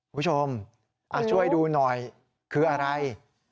พี่ชมช่วยดูหน่อยคืออะไร